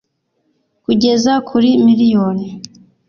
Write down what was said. kugeza kuri miliyoni